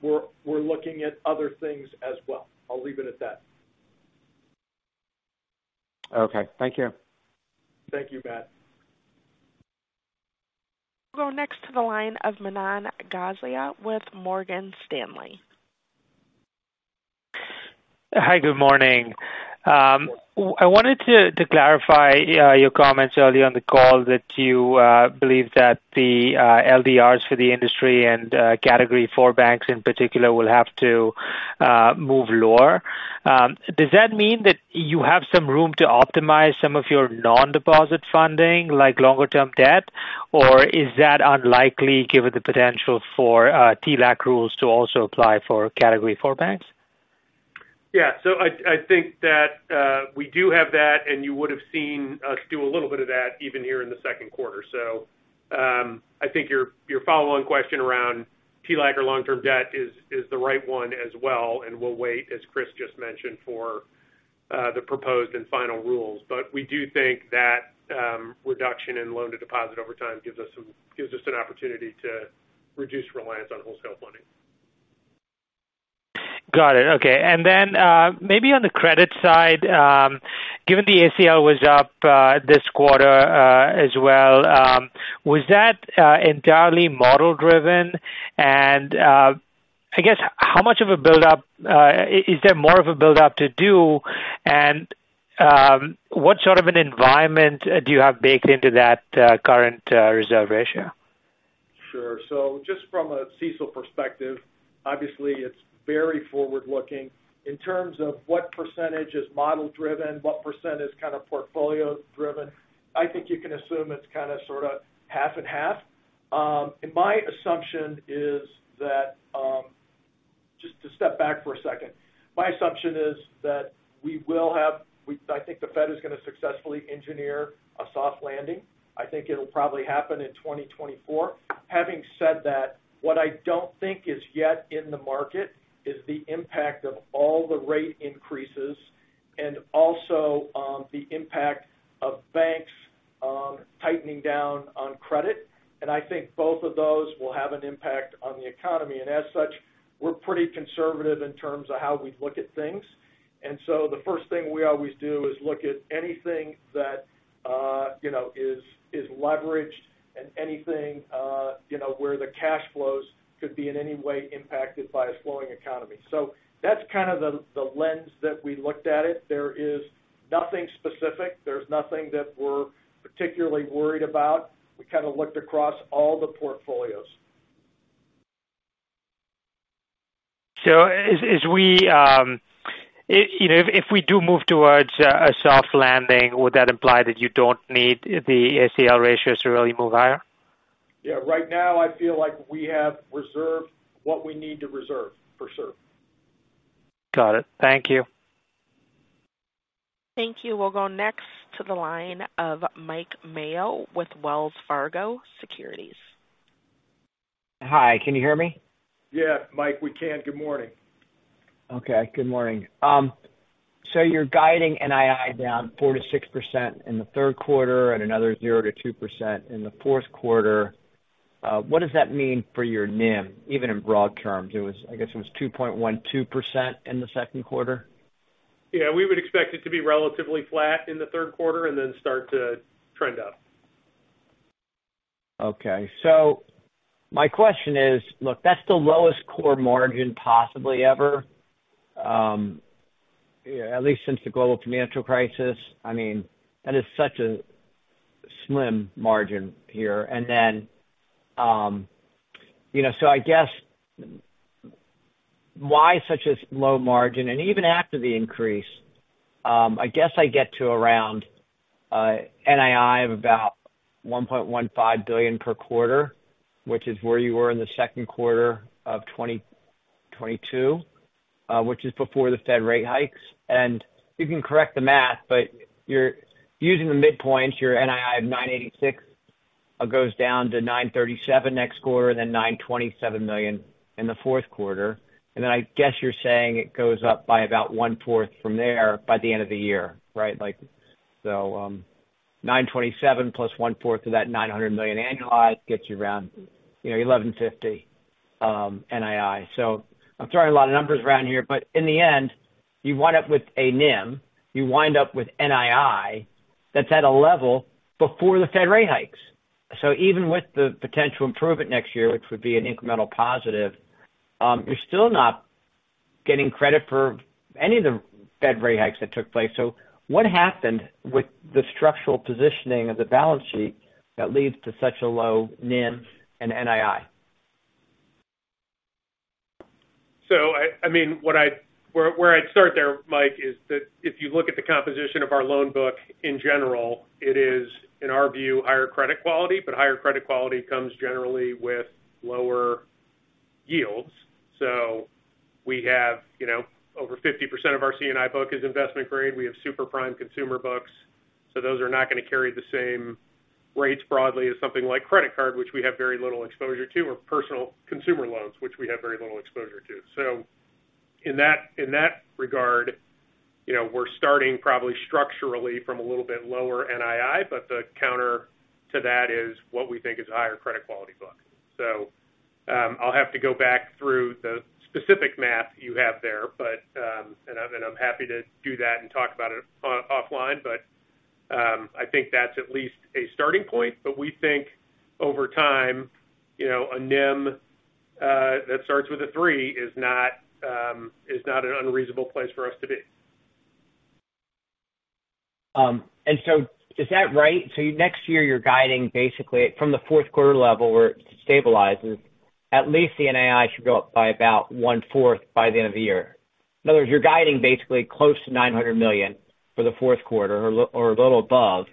we're looking at other things as well. I'll leave it at that. Okay. Thank you. Thank you, Matt. We'll go next to the line of Manan Gosalia with Morgan Stanley. Hi, good morning. I wanted to clarify your comments earlier on the call, that you believe that the LDRs for the industry and Category IV banks in particular, will have to move lower. Does that mean that you have some room to optimize some of your non-deposit funding, like longer-term debt, or is that unlikely given the potential for TLAC rules to also apply for Category IV banks? I think that we do have that, and you would have seen us do a little bit of that even here in the second quarter. I think your follow-on question around TLAC or long-term debt is the right one as well, and we'll wait, as Chris just mentioned, for the proposed and final rules. We do think that reduction in loan to deposit over time gives us an opportunity to reduce reliance on wholesale funding. Got it. Okay. Maybe on the credit side, given the ACL was up this quarter, Was that entirely model driven? I guess how much of a buildup is there more of a buildup to do? What sort of an environment do you have baked into that current reserve ratio? Sure. Just from a CECL perspective, obviously it's very forward-looking. In terms of what % is model driven, what % is kind of portfolio driven, I think you can assume it's kind of, sort of half and half. My assumption is that, just to step back for a second, my assumption is that we will have I think the Fed is going to successfully engineer a soft landing. I think it'll probably happen in 2024. Having said that, what I don't think is yet in the market is the impact of all the rate increases and also, the impact of banks, tightening down on credit. I think both of those will have an impact on the economy. As such, we're pretty conservative in terms of how we look at things. The first thing we always do is look at anything that, you know, is leveraged and anything, you know, where the cash flows could be in any way impacted by a slowing economy. That's kind of the lens that we looked at it. There is nothing specific. There's nothing that we're particularly worried about. We kind of looked across all the portfolios. is we, you know, if we do move towards a soft landing, would that imply that you don't need the ACL ratios to really move higher? Right now, I feel like we have reserved what we need to reserve, for sure. Got it. Thank you. Thank you. We'll go next to the line of Mike Mayo with Wells Fargo Securities. Hi, can you hear me? Mike, we can. Good morning. Good morning. You're guiding NII down 4%-6% in the third quarter and another 0%-2% in the fourth quarter. What does that mean for your NIM, even in broad terms? I guess it was 2.12% in the second quarter. Yeah, we would expect it to be relatively flat in the third quarter and then start to trend up. My question is, look, that's the lowest core margin possibly ever, at least since the global financial crisis. I mean, that is such a slim margin here. You know, I guess, why such a low margin? Even after the increase, I guess I get to around NII of about $1.15 billion per quarter, which is where you were in the second quarter of 2022, which is before the Fed rate hikes. You can correct the math, you're using the midpoint, your NII of $986 goes down to $937 next quarter, then $927 million in the fourth quarter. I guess you're saying it goes up by about one fourth from there by the end of the year, right? Like, $927 plus one fourth of that $900 million annualized gets you around, you know, $1,150 NII. I'm throwing a lot of numbers around here, but in the end, you wind up with a NIM, you wind up with NII, that's at a level before the Fed rate hikes. Even with the potential improvement next year, which would be an incremental positive, you're still not getting credit for any of the Fed rate hikes that took place. What happened with the structural positioning of the balance sheet that leads to such a low NIM and NII? I mean, where I'd start there, Mike, is that if you look at the composition of our loan book in general, it is, in our view, higher credit quality, but higher credit quality comes generally with lower yields. We have, you know, over 50% of our C&I book is investment grade. We have super prime consumer books, so those are not going to carry the same rates broadly as something like credit card, which we have very little exposure to, or personal consumer loans, which we have very little exposure to. In that, in that regard, you know, we're starting probably structurally from a little bit lower NII, but the counter to that is what we think is a higher credit quality book. I'll have to go back through the specific math you have there, but I'm happy to do that and talk about it offline, but I think that's at least a starting point. We think over time, you know, a NIM that starts with a 3 is not an unreasonable place for us to be. Is that right? Next year, you're guiding basically from the fourth quarter level, where it stabilizes, at least the NII should go up by about one fourth by the end of the year. In other words, you're guiding basically close to $900 million for the fourth quarter or a little above,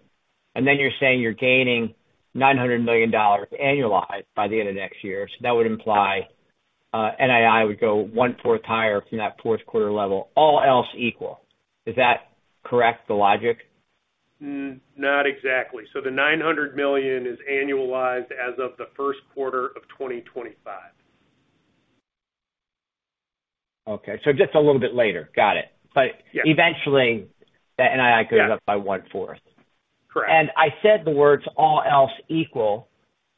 and then you're saying you're gaining $900 million annualized by the end of next year. That would imply NII would go one fourth higher from that fourth quarter level, all else equal. Is that correct, the logic? Not exactly. The $900 million is annualized as of the first quarter of 2025. Okay. Just a little bit later. Got it. Yeah. Eventually, the NII goes up by one fourth. Correct. I said the words all else equal.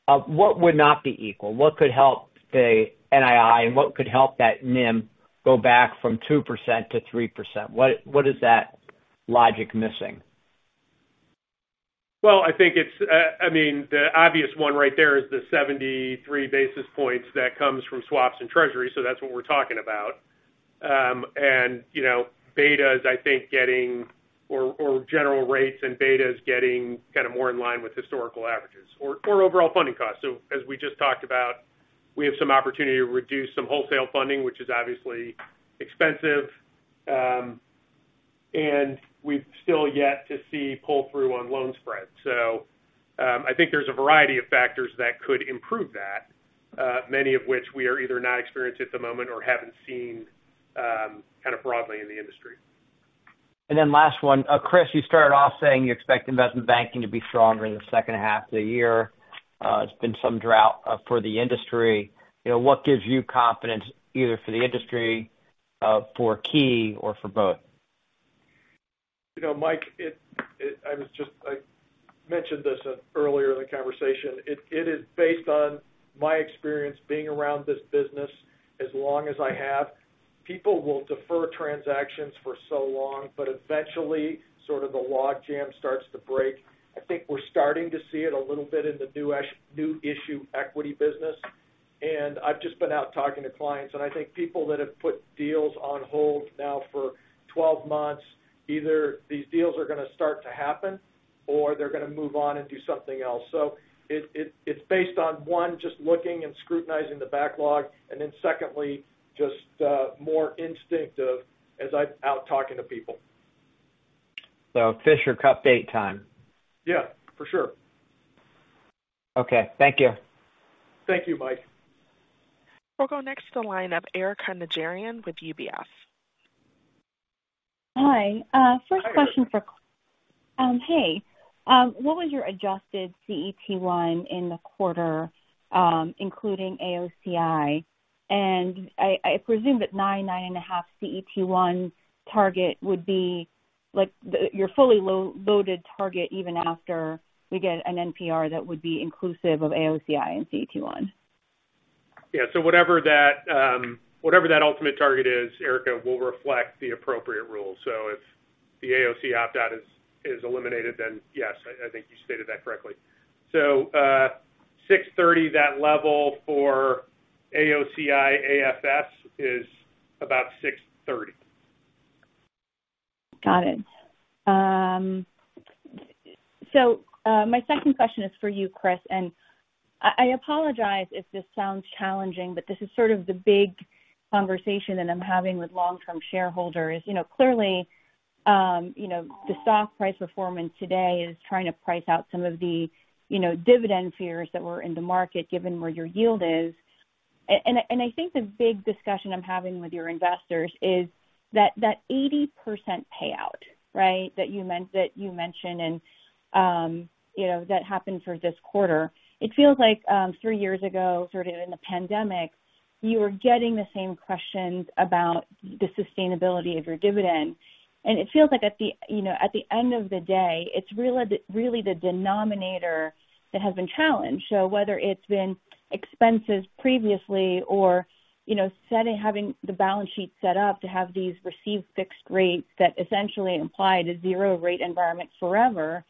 What would not be equal? What could help the NII and what could help that NIM go back from 2% to 3%? What is that dynamic? Logic missing? Well, I think it's, I mean, the obvious one right there is the 73 basis points that comes from swaps and Treasuries. That's what we're talking about. You know, beta is, I think, getting or general rates and beta is getting kind of more in line with historical averages or overall funding costs. As we just talked about, we have some opportunity to reduce some wholesale funding, which is obviously expensive, and we've still yet to see pull through on loan spreads. I think there's a variety of factors that could improve that, many of which we are either not experienced at the moment or haven't seen, kind of broadly in the industry. Last one. Chris, you started off saying you expect investment banking to be stronger in the second half of the year. It's been some drought, for the industry. You know, what gives you confidence either for the industry, for Key or for both? You know, Mike, it I mentioned this earlier in the conversation. It is based on my experience being around this business as long as I have. People will defer transactions for so long. Eventually, sort of the logjam starts to break. I think we're starting to see it a little bit in the new issue equity business. I've just been out talking to clients. I think people that have put deals on hold now for 12 months, either these deals are going to start to happen or they're going to move on and do something else. It's based on, one, just looking and scrutinizing the backlog. Secondly, just more instinctive as I'm out talking to people. So Fisher Cup date time? Yeah, for sure. Okay. Thank you. Thank you, Mike. We'll go next to the line of Erika Najarian with UBS. Hi. Hi, Erika. First question for what was your adjusted CET1 in the quarter, including AOCI? I presume that 9.5 CET1 target would be like your fully loaded target, even after we get an NPR that would be inclusive of AOCI and CET1. Yeah. Whatever that, whatever that ultimate target is, Erika, will reflect the appropriate rule. If the AOCI opt out is eliminated, then, yes, I think you stated that correctly. $630, that level for AOCI, AFS is about $630. Got it. My second question is for you, Chris, and I apologize if this sounds challenging, but this is sort of the big conversation that I'm having with long-term shareholders. You know, clearly, you know, the stock price performance today is trying to price out some of the, you know, dividend fears that were in the market, given where your yield is. I think the big discussion I'm having with your investors is that 80% payout, right, that you mentioned, and, you know, that happened for this quarter. It feels like, 3 years ago, sort of in the pandemic, you were getting the same questions about the sustainability of your dividend. It feels like at the, you know, at the end of the day, it's really the denominator that has been challenged. Whether it's been expenses previously or, you know, having the balance sheet set up to have these received fixed rates that essentially implied a zero rate environment forever,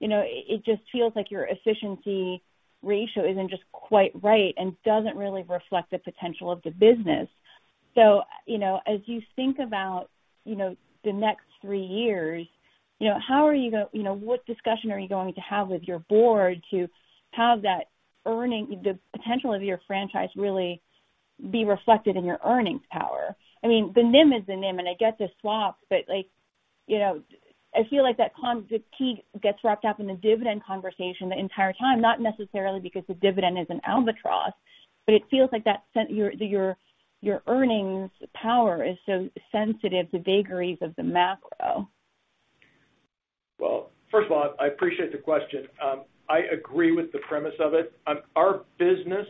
you know, it just feels like your efficiency ratio isn't just quite right and doesn't really reflect the potential of the business. As you think about, you know, the next 3 years, you know, how are you know, what discussion are you going to have with your board to have that earning, the potential of your franchise really be reflected in your earnings power? I mean, the NIM is the NIM. I get the swap. Like, you know, I feel like that comp, the Key gets wrapped up in the dividend conversation the entire time, not necessarily because the dividend is an albatross. It feels like that your earnings power is so sensitive to vagaries of the macro. First of all, I appreciate the question. I agree with the premise of it. Our business,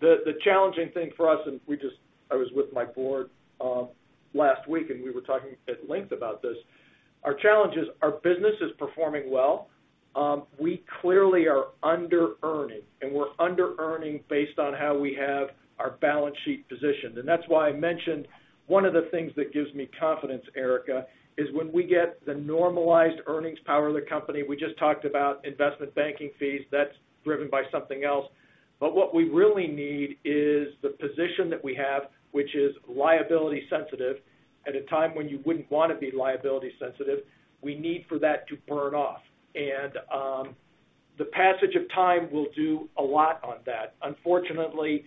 the challenging thing for us, I was with my board last week, we were talking at length about this. Our challenge is, our business is performing well. We clearly are under-earning, we're under-earning based on how we have our balance sheet positioned. That's why I mentioned one of the things that gives me confidence, Erika, is when we get the normalized earnings power of the company. We just talked about investment banking fees. That's driven by something else. What we really need is the position that we have, which is liability sensitive, at a time when you wouldn't want to be liability sensitive. We need for that to burn off, the passage of time will do a lot on that. Unfortunately,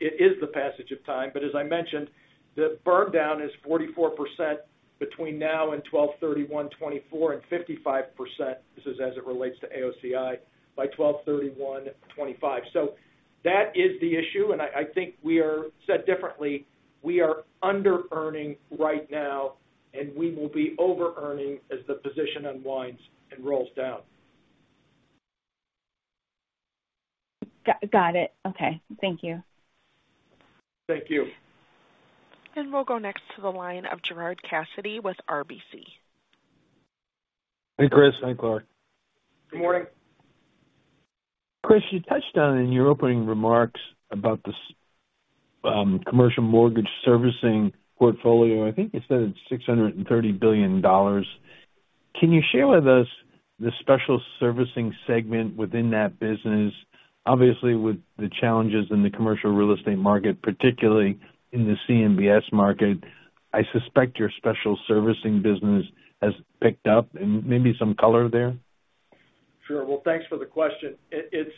it is the passage of time, but as I mentioned, the burn down is 44% between now and 12/31/2024 and 55%, this is as it relates to AOCI, by 12/31/2025. That is the issue, and I think we are, said differently, we are under-earning right now, and we will be over-earning as the position unwinds and rolls down. Got it. Okay. Thank you. Thank you. We'll go next to the line of Gerard Cassidy with RBC. Hey, Chris. Hi, Clark. Good morning. Chris, you touched on in your opening remarks about this commercial mortgage servicing portfolio. I think you said it's $630 billion. Can you share with us the special servicing segment within that business? Obviously, with the challenges in the commercial real estate market, particularly in the CMBS market, I suspect your special servicing business has picked up, and maybe some color there. Sure. Well, thanks for the question. It's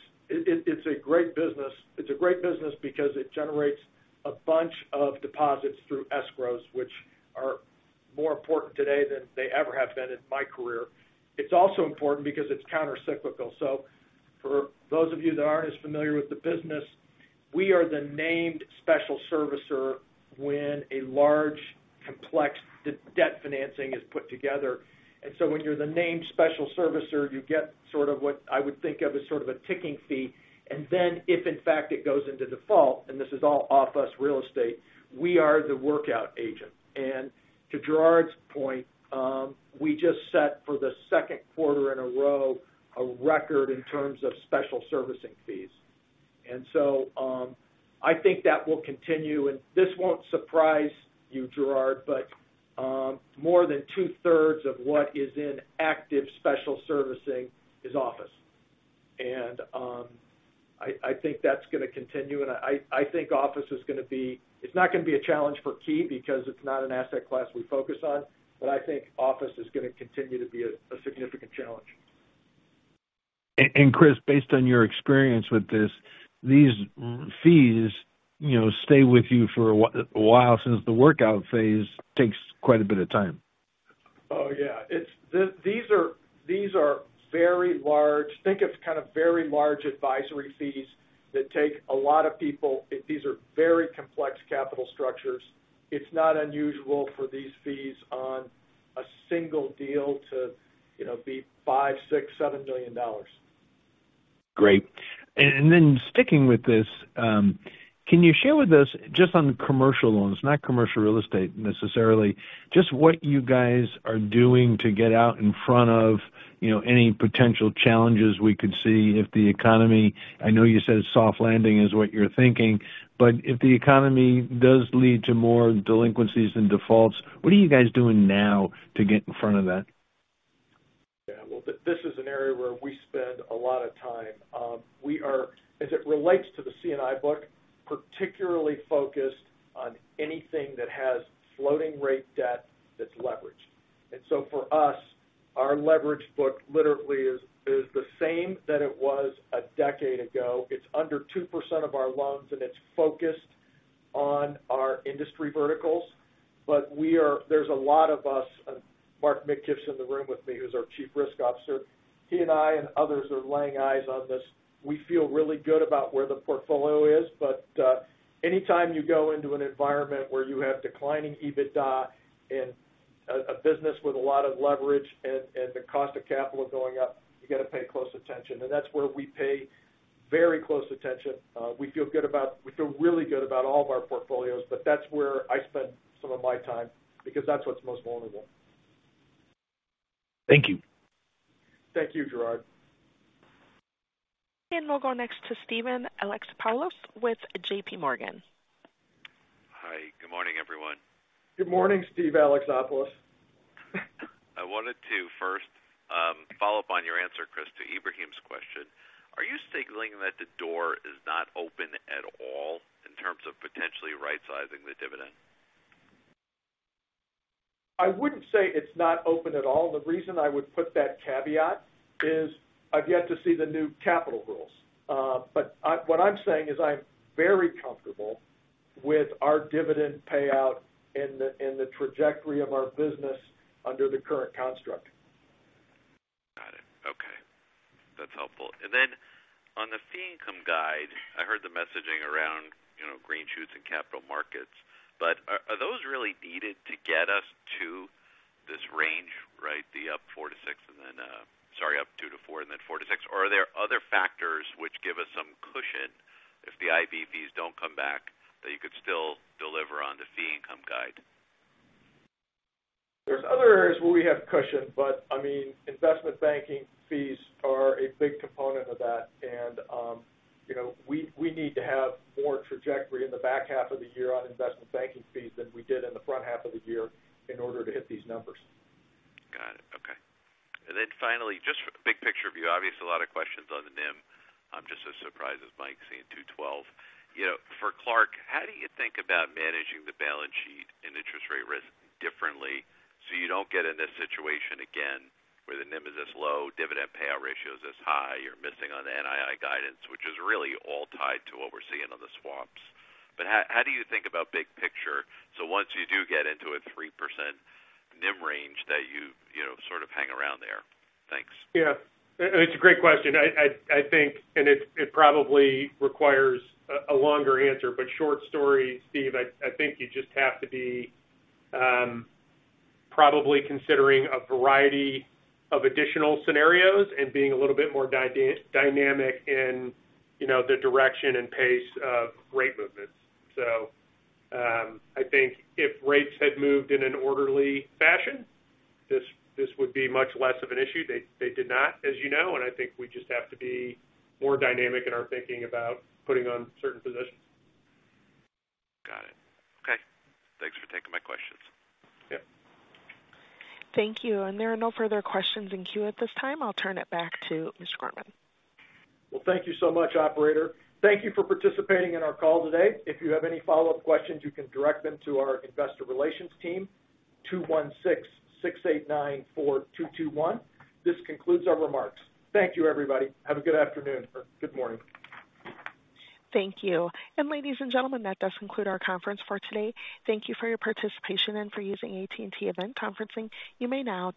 a great business. It's a great business because it generates a bunch of deposits through escrows, which are more important today than they ever have been in my career. It's also important because it's countercyclical. For those of you that aren't as familiar with the business, we are the named special servicer when a large, complex debt financing is put together. When you're the named special servicer, you get sort of what I would think of as sort of a ticking fee. If in fact, it goes into default, and this is all office real estate, we are the workout agent. To Gerard's point, we just set for the second quarter in a row, a record in terms of special servicing fees. I think that will continue, this won't surprise you, Gerard, more than two-thirds of what is in active special servicing is office. I think that's gonna continue, I think office is gonna be. It's not gonna be a challenge for Key because it's not an asset class we focus on, but I think office is gonna continue to be a significant challenge. Chris, based on your experience with this, these fees, you know, stay with you for a while, since the workout phase takes quite a bit of time. Oh, yeah. These are very large. Think of kind of very large advisory fees that take a lot of people. These are very complex capital structures. It's not unusual for these fees on a single deal to, you know, be $5 million, $6 million, $7 million. Great. Then sticking with this, can you share with us, just on the commercial loans, not commercial real estate necessarily, just what you guys are doing to get out in front of, you know, any potential challenges we could see if the economy, I know you said soft landing is what you're thinking, but if the economy does lead to more delinquencies and defaults, what are you guys doing now to get in front of that? Well, this is an area where we spend a lot of time. We are, as it relates to the C&I book, particularly focused on anything that has floating rate debt that's leveraged. For us, our leveraged book literally is the same than it was a decade ago. It's under 2% of our loans, and it's focused on our industry verticals. There's a lot of us, and Mark Midkiff is in the room with me, who's our Chief Risk Officer. He and I and others are laying eyes on this. We feel really good about where the portfolio is, but anytime you go into an environment where you have declining EBITDA and a business with a lot of leverage and the cost of capital going up, you got to pay close attention, and that's where we pay very close attention. We feel really good about all of our portfolios. That's where I spend some of my time, because that's what's most vulnerable. Thank you. Thank you, Gerard. We'll go next to Steven Alexopoulos with JPMorgan. Hi, good morning, everyone. Good morning, Steven Alexopoulos. I wanted to first, follow up on your answer, Chris, to Ibrahim's question. Are you signaling that the door is not open at all in terms of potentially rightsizing the dividend? I wouldn't say it's not open at all. The reason I would put that caveat is I've yet to see the new capital rules. What I'm saying is I'm very comfortable with our dividend payout and the trajectory of our business under the current construct. Got it. Okay. That's helpful. On the fee income guide, I heard the messaging around, you know, green shoots and capital markets, but are those really needed to get us to this range, right? Sorry, up 2%-4%, and then 4%-6%. Are there other factors which give us some cushion if the IB fees don't come back, that you could still deliver on the fee income guide? There's other areas where we have cushion, but, I mean, investment banking fees are a big component of that. You know, we need to have more trajectory in the back half of the year on investment banking fees than we did in the front half of the year in order to hit these numbers. Got it. Okay. Finally, just for big picture view, obviously, a lot of questions on the NIM. I'm just as surprised as Mike, seeing 2.12%. You know, for Clark, how do you think about managing the balance sheet and interest rate risk differently, so you don't get in this situation again, where the NIM is as low, dividend payout ratio is as high, you're missing on the NII guidance, which is really all tied to what we're seeing on the swaps? How do you think about big picture, so once you do get into a 3% NIM range, that you know, sort of hang around there? Thanks. Yeah. It's a great question. I think, it probably requires a longer answer, but short story, Steve, I think you just have to be probably considering a variety of additional scenarios and being a little bit more dynamic in, you know, the direction and pace of rate movements. I think if rates had moved in an orderly fashion, this would be much less of an issue. They did not, as you know, and I think we just have to be more dynamic in our thinking about putting on certain positions. Got it. Okay. Thanks for taking my questions. Yeah. Thank you. There are no further questions in queue at this time. I'll turn it back to Mr. Gorman. Thank you so much, operator. Thank you for participating in our call today. If you have any follow-up questions, you can direct them to our investor relations team, 216-689-4221. This concludes our remarks. Thank you, everybody. Have a good afternoon or good morning. Thank you. Ladies and gentlemen, that does conclude our conference for today. Thank you for your participation and for using AT&T Event Conferencing. You may now disconnect.